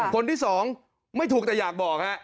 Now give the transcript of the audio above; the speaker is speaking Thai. คนที่สองไม่ถูกแต่อยากบอกฮะ